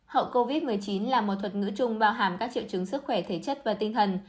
hậu covid một mươi chín là một thuật ngữ chung bao hàm các triệu chứng sức khỏe thể chất và tinh thần